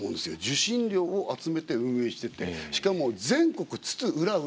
受信料を集めて運営しててしかも全国津々浦々